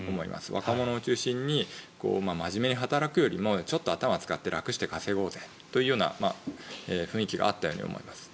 若者を中心に真面目に働くよりもちょっと頭を使って楽して稼ごうぜというような雰囲気があったように思います。